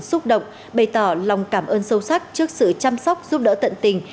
xúc động bày tỏ lòng cảm ơn sâu sắc trước sự chăm sóc giúp đỡ tận tình